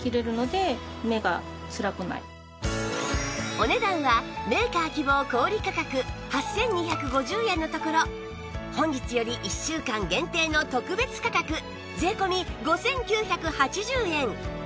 お値段はメーカー希望小売価格８２５０円のところ本日より１週間限定の特別価格税込５９８０円